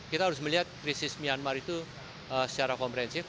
kita harus melihat krisis myanmar itu secara komprehensif